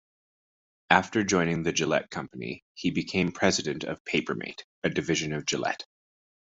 After joining the Gillette Company, he became president of Papermate, a division of Gillette.